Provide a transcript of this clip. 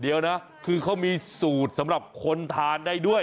เดี๋ยวนะคือเขามีสูตรสำหรับคนทานได้ด้วย